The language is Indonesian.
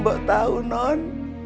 mbok tau non